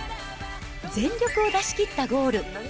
全力を出しきったゴール。